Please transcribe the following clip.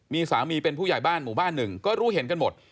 มีสามีเป็นผู้ใหญ่บ้านหมู่บ้านหนึ่งก็รู้เห็นกันหมด